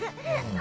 何？